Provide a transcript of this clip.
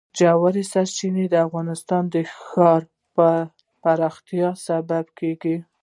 ژورې سرچینې د افغانستان د ښاري پراختیا سبب کېږي.